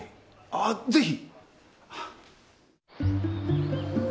ああぜひ。